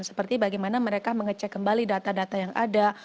seperti bagaimana mereka mengecek kembali data data yang ada